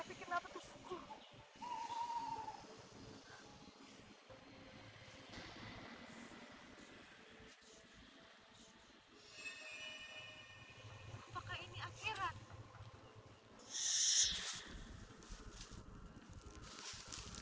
bukan bapak setuju kalau kiki menikah sama freddy pak